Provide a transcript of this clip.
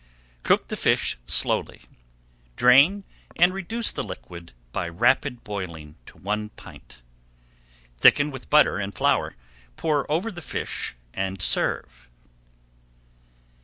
Cook the fish slowly, drain, and reduce the liquid by rapid boiling to one pint. Thicken with butter and flour, pour over the fish, and serve.